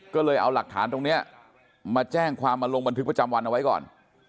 ก็เลยเอาหลักฐานตรงนี้มาแจ้งความมาลงบันทึกประจำวันเอาไว้ก่อน